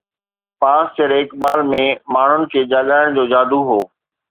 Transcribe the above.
پاس تيري اقبال ۾ ماڻهن کي جاڳائڻ جو جادو هو